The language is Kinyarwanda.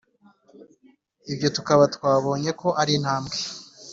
ibyo tukaba twabonyeko ari intambwe